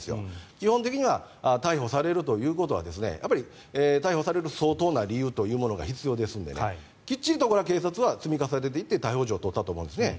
基本的には逮捕されるということは逮捕される相当な理由というのが必要なのできっちりとこれは警察は積み重ねていって逮捕状を取ったと思うんですね。